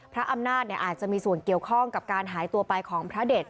พระอำนาจอาจจะมีส่วนเกี่ยวข้องกับการหายตัวไปของพระเด็ด